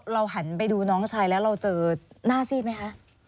หันไปดูน้องชายแล้วเราเจอหน้าซีดไหมคะ